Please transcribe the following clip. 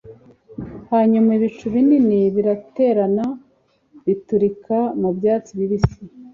Hanyuma ibicu binini biraterana biturika mubyatsi bibisi